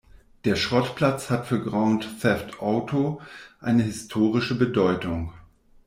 Der Schrottplatz hat für Grand Theft Auto eine historische Bedeutung.